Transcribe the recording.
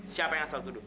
siapa yang asal tuduh